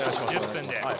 １０分で。